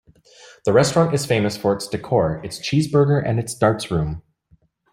The restaurant is famous for its decor, its cheeseburger and its darts room.